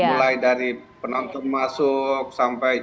mulai dari penonton masuk sampai